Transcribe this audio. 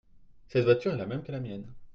Cette voiture est la même que la mienne.